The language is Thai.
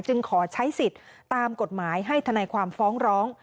ขอใช้สิทธิ์ตามกฎหมายให้ธนายความฟ้องร้อง